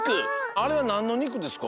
あれはなんのにくですか？